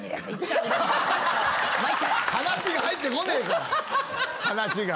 話が入ってこねぇから話が。